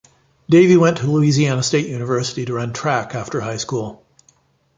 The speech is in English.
Davy went to Louisiana State University to run track after high school.